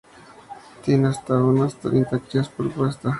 Tienen hasta unas treinta crías por puesta.